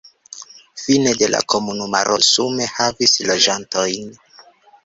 Fine de la komunumaro sume havis loĝantojn.